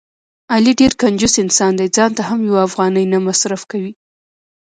علي ډېر کنجوس انسان دی.ځانته هم یوه افغانۍ نه مصرف کوي.